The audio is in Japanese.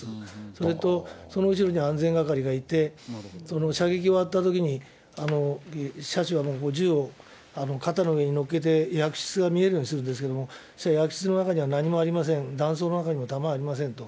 それと、その後ろに安全係がいて、射撃終わったときに、射手は銃を肩の上に乗っけて、薬室が見えるようにするんですけれども、その薬室の中には何もありません、断層の中にも弾はありませんと。